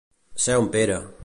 Ser un Pere.